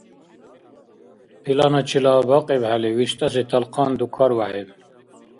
Пиланачила бакьибхӀели виштӀаси талхъан дукарвяхӀиб